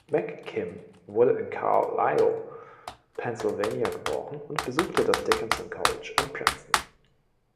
McKim wurde in Carlisle, Pennsylvania, geboren und besuchte das Dickinson College und Princeton.